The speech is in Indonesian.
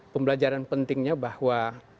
pembelajaran pentingnya bahwa